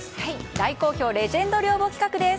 大好評レジェンド寮母企画です。